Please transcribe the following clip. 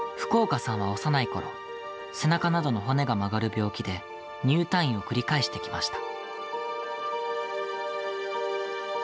福岡さんは幼いころ背中などの骨が曲がる病気で入退院を繰り返してきました。